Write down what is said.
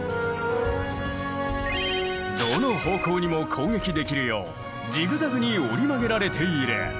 どの方向にも攻撃できるようジグザグに折り曲げられている。